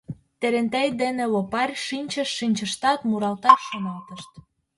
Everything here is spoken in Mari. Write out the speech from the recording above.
Терентей дене Лопарь шинчышт-шинчыштат, муралташ шоналтышт.